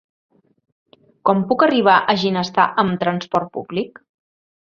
Com puc arribar a Ginestar amb trasport públic?